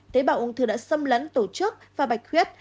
tế bảo ung thư đã xâm lấn tổ chức và bạch khuyết